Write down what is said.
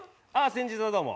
先日はどうも。